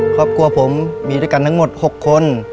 ครอบครัวผมมีด้วยกันทั้งหมด๖คน